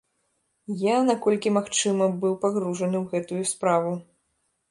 Я, наколькі магчыма, быў пагружаны ў гэтую справу.